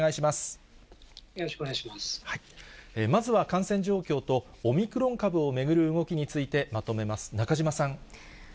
まずは感染状況と、オミクロン株を巡る動きについてまとめます、中島さん。